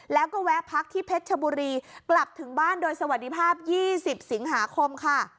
แล้วก็แวะพักที่เพชรชบุรีกลับถึงบ้านโดยสวัสดีภาพ๒๐สิงหาคมค่ะ